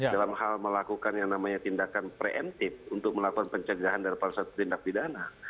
dalam hal melakukan yang namanya tindakan pre emptive untuk melakukan pencegahan daripada tindak pidana